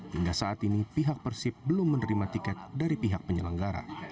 hingga saat ini pihak persib belum menerima tiket dari pihak penyelenggara